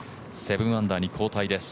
７アンダーに後退です。